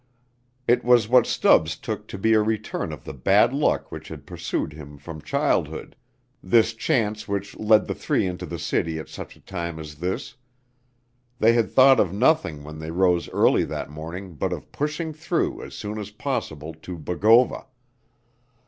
It was what Stubbs took to be a return of the bad luck which had pursued him from childhood this chance which led the three into the city at such a time as this. They had thought of nothing when they rose early that morning but of pushing through as soon as possible to Bogova.